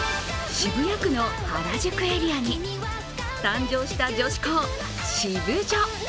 渋谷区の原宿エリアに誕生した女子校、シブジョ。